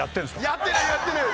やってないやってない！